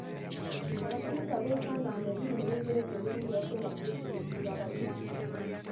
Abasomesa beesanga nga ebiri mu Lungereza ebimu tebasobola kubivvuunulira bayizi.